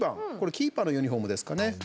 キーパーのユニフォームですかね。